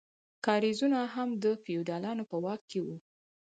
کاریزونه هم د فیوډالانو په واک کې وو.